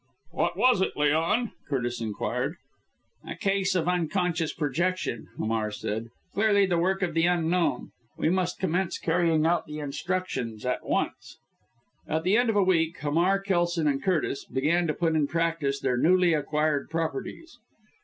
"What was it, Leon?" Curtis inquired. "A case of unconscious projection," Hamar said. "Clearly the work of the Unknown. We must commence carrying out the instructions at once." At the end of a week, Hamar, Kelson and Curtis, began to put in practice their newly acquired properties.